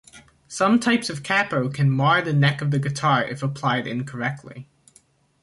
Some types of capo can mar the neck of the guitar if applied incorrectly.